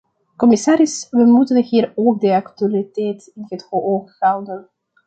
Commissaris, we moeten hier ook de actualiteit in het oog houden.